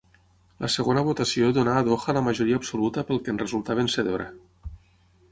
La segona votació donà a Doha la majoria absoluta pel que en resultà vencedora.